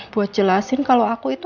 buat jelasin kalau aku itu